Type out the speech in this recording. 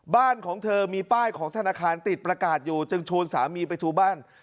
บ้านของเธอมีป้ายของธนาคารติดประกาศอยู่จึงชวนสามีไปทูบ้าน